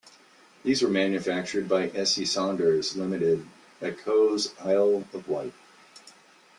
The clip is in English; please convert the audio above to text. These were manufactured by S E Saunders Limited at Cowes, Isle of Wight.